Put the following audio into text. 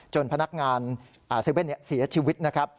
พนักงาน๗๑๑เสียชีวิตนะครับ